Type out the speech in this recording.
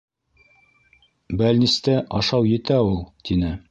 «Бәлнистә ашау етә ул», - тине.